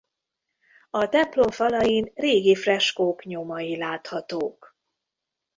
A templom falain régi freskók nyomai láthatók.